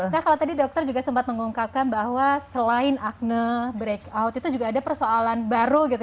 nah kalau tadi dokter juga sempat mengungkapkan bahwa selain akne break out itu juga ada persoalan baru gitu